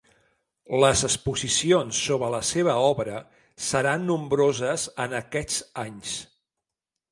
Les exposicions sobre la seva obra seran nombroses en aquests anys.